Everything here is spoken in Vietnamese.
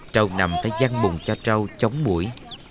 trâu nằm phải gian bùng cho trâu chống mũi